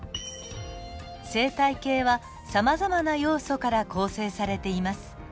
生態系はさまざまな要素から構成されています。